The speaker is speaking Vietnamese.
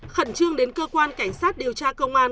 khẩn trương đến cơ quan cảnh sát điều tra công an